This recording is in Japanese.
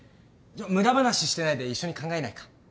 無駄話してないで一緒に考えないか？